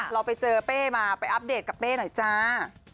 เราไปเจอเป้มาไปอัปเดตกับเป้หน่อยจ้า